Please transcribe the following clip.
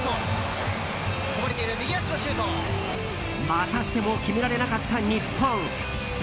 またしても決められなかった日本。